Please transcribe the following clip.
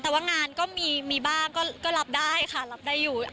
แต่ว่างานก็มีบ้างก็รับได้ค่ะรับได้อยู่